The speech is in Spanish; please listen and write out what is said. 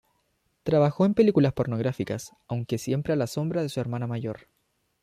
Trabajó en películas pornográficas, aunque siempre a la sombra de su hermana mayor.